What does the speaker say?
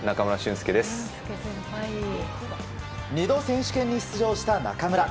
２度選手権に出場した中村。